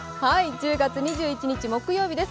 １０月２１日木曜日です。